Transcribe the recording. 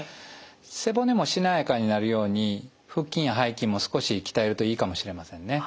背骨もしなやかになるように腹筋や背筋も少し鍛えるといいかもしれませんね。